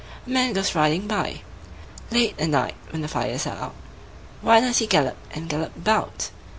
A man goes riding by, Late at night when the fires are out, Why does he gallop and gallop about?